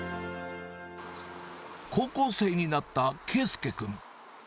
高校生になった佳祐君。